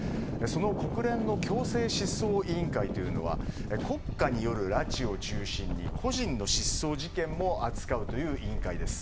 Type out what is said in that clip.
国連の強制失踪委員会というのは国家による拉致を中心に個人の失踪事件も扱うという委員会です。